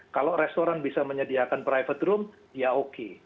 kalau restoran bisa menyediakan private room ya oke